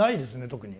特に。